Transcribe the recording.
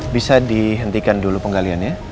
bisa dihentikan dulu penggaliannya